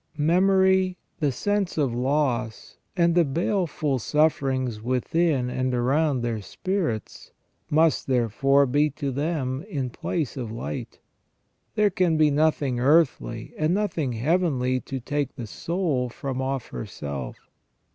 * Memory, the sense of loss, and the baleful sufferings within and around their spirits, must, therefore, be to them in place of light. There can be nothing earthly and nothing heavenly to take the soul from off herself.